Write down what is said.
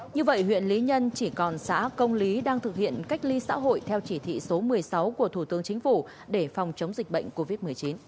như vậy huyện lý nhân chỉ còn xã công lý đang thực hiện cách ly xã hội theo chỉ thị số một mươi sáu của thủ tướng chính phủ để phòng chống dịch bệnh covid một mươi chín